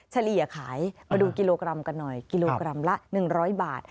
เฉลี่ยขายมาดูกิโลกรัมกันหน่อยกิโลกรัมละ๑๐๐บาท